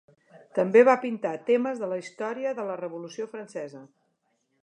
També va pintar temes de la història de la Revolució Francesa.